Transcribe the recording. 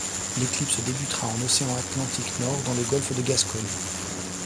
L'éclipse débutera en océan Atlantique Nord dans le golfe de Gascogne.